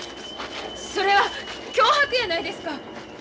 それは脅迫やないですか。